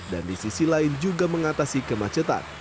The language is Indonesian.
dan di sisi lain juga mengatasi kemacetan